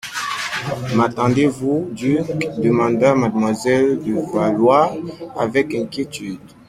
M'attendrez-vous, duc, demanda mademoiselle de Valois avec inquiétude.